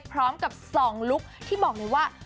พร้อมกับ๒ลุคที่บอกเลยว่า